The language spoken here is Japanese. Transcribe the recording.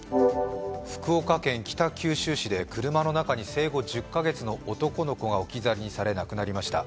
福岡県北九州市で車の中に生後１０か月の男の子が置き去りにされ亡くなりました。